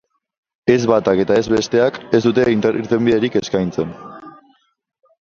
Ez batak eta ez besteak ez dute irtenbiderik eskaintzen.